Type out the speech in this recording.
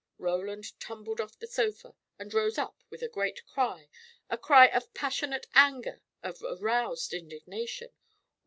Roland tumbled off the sofa, and rose up with a great cry a cry of passionate anger, of aroused indignation.